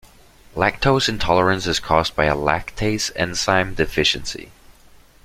Lactose intolerance is caused by a lactase enzyme deficiency.